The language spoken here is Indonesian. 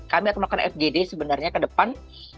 kami akan melakukan fgd sebenarnya ke depan